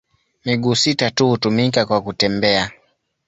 Miguu sita tu hutumika kwa kutembea.